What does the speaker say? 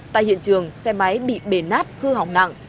tại hiện trường xe máy bị bề nát hư hỏng nặng